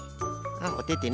あっおててね。